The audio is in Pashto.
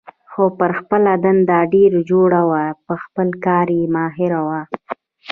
خو پر خپله دنده ډېره جوړه وه، په خپل کار کې ماهره وه.